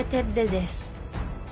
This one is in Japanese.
です